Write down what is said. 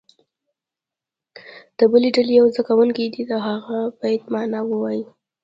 د بلې ډلې یو زده کوونکی دې د هغه بیت معنا ووایي.